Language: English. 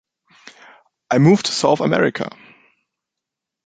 I moved to South America!